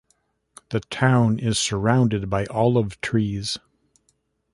The town is surrounded by olive trees.